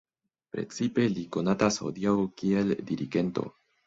Precipe li konatas hodiaŭ kiel dirigento.